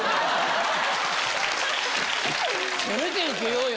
・せめてウケようよ。